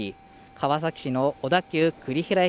川崎市の小田急栗平駅